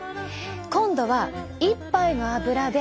今度は１杯のアブラで。